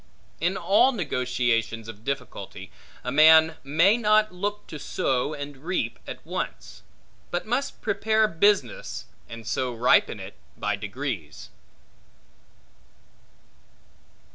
In all negotiations of difficulty, a man may not look to sow and reap at once; but must prepare business, and so ripen it by degrees.